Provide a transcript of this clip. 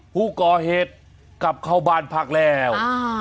ผู้ก่อเหตุกลับเข้าบ้านพักแล้ว